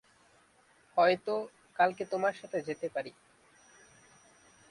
হয়তো, কালকে তোমার সাথে যেতে পারি।